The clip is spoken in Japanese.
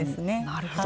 なるほど。